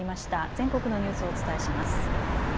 全国のニュースをお伝えします。